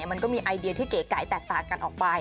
มันก็มีไอเดียที่เก๋ไก่แตกต่างกันออกไป